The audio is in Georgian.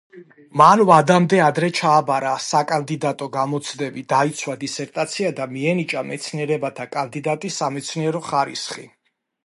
მან ვადამდე ადრე ჩააბარა საკანდიდატო გამოცდები, დაიცვა დისერტაცია და მიენიჭა მეცნიერებათა კანდიდატის სამეცნიერო ხარისხი.